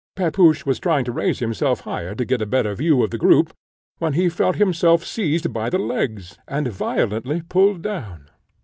Pepusch was trying to raise himself higher to get a better view of the group, when he felt himself seized by the legs, and violently pulled down.